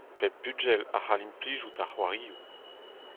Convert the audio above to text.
Pep bugel a c'hall implijout ar c'hoarioù.